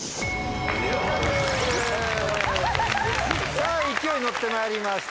さぁ勢いに乗ってまいりました。